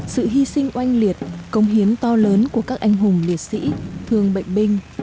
sự hy sinh oanh liệt công hiến to lớn của các anh hùng liệt sĩ thương bệnh binh